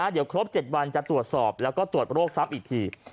เดี๋ยวครบ๗วันจะตรวจสอบแล้วก็ตรวจโรคซ้ำอีกที